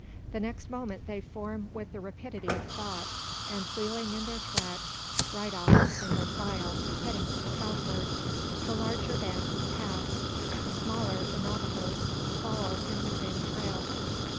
The next moment they form with the rapidity of thought, and wheeling in their tracks, ride off in single file, heading to the southward. The larger band has passed. The smaller, the Navajoes, follow in the same trail.